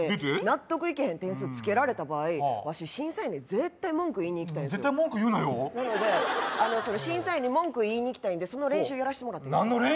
納得いけへん点数つけられた場合ワシ審査員に絶対文句言いに行きたいんすよ絶対文句言うなよなので審査員に文句言いに行きたいんでその練習やらしてもらっていいですか？